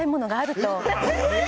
え！